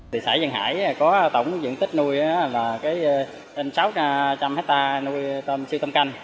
thị xã duyên hải có tổng diện tích nuôi trên sáu trăm linh hectare nuôi tôm siêu thâm canh